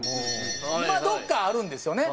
まあどっかあるんですよね。